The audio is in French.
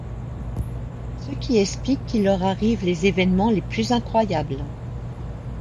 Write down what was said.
Ce qui explique qu'il leur arrive les évènements les plus incroyables.